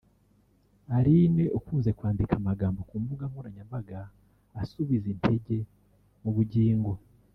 Aline ukunze kwandika amagambo ku mbuga nkoranyambaga asubiza intege mu bugingo